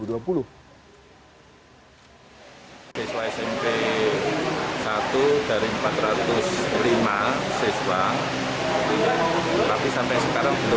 satu dari empat ratus lima siswa tapi sampai sekarang belum tahu bahwa jumlah yang digelar